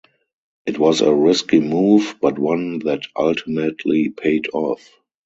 It was a risky move, but one that ultimately paid off.